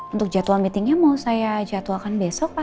untuk jadwal meetingnya mau saya jadwalkan besok pak